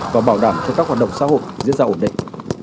và bảo đảm cho các hoạt động xã hội diễn ra ổn định